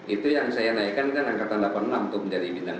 itu yang saya naikkan kan angkatan delapan puluh enam untuk mencari bintang dua